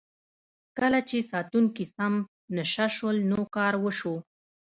کله چې ساتونکي سم نشه شول نو کار وشو.